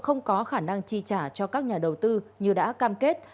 không có khả năng chi trả cho các nhà đầu tư như đã cam kết